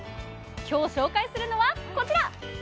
今日紹介するのはこちら。